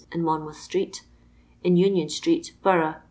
in Monmouth street (in Union street, Bo rough, Is.